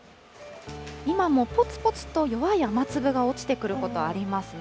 今もぽつぽつと弱い雨粒が落ちてくることありますね。